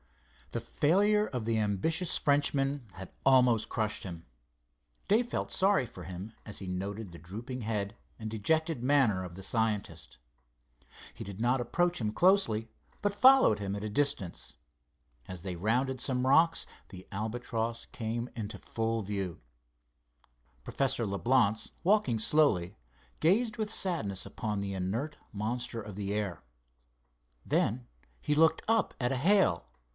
The failure of the ambitious Frenchman had almost crushed him. Dave felt sorry for him as he noted the drooping head and dejected manner of the scientist. He did not approach him closely, but followed him at a distance. As they rounded some rocks the Albatross came into full view. Professor Leblance, walking slowly, gazed with sadness upon the inert monster of the air. Then he looked up at a hail.